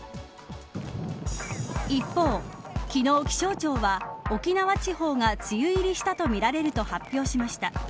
一方、昨日気象庁は沖縄地方が梅雨入りしたとみられると発表しました。